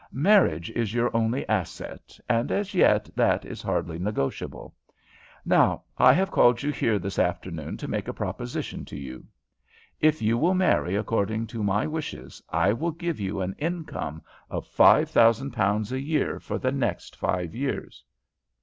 "Marriage is your only asset, and as yet that is hardly negotiable. Now I have called you here this afternoon to make a proposition to you. If you will marry according to my wishes I will give you an income of five thousand pounds a year for the next five years."